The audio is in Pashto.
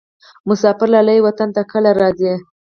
مسافر لالیه وطن ته کله راځې؟